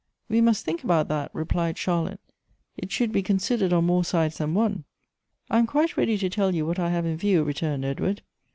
" We must think about that," replied Charlotte ;" it should be considered on more sides than one." " I am quite ready to tell you what I have in view," returned Edward.